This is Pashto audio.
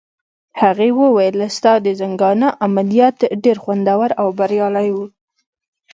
هغې وویل: ستا د زنګانه عملیات ډېر خوندور او بریالي وو.